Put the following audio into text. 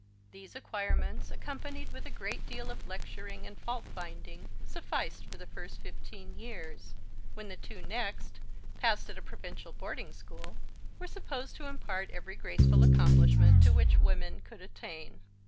These acquirements, accompanied with a great deal of lecturing and fault finding, sufficed for the first fifteen years; when the two next, passed at a provincial boarding school, were supposed to impart every graceful accomplishment to which women could attain.